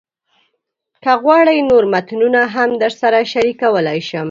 که غواړئ، نور متنونه هم درسره شریکولی شم.